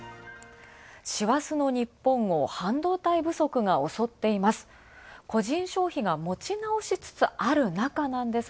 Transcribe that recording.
師走の日本を半導体不足が襲っています。